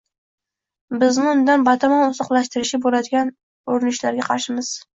Bizni undan batamom uzoqlashtirishga bo‘ladigan urinishlarga qarshimiz.